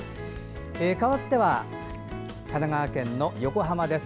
かわっては神奈川県の横浜です。